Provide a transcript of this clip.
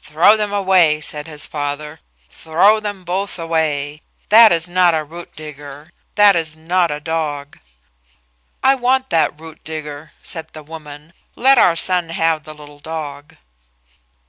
"Throw them away," said his father; "throw them both away. That is not a root digger; that is not a dog." "I want that root digger," said the woman. "Let our son have the little dog."